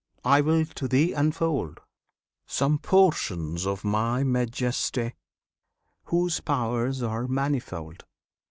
I will to thee unfold Some portions of My Majesty, whose powers are manifold!